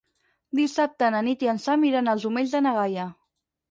Dissabte na Nit i en Sam iran als Omells de na Gaia.